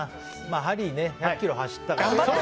ハリー、１００ｋｍ走ったからね。